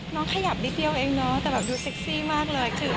ขยับนิดเดียวเองเนาะแต่แบบดูเซ็กซี่มากเลย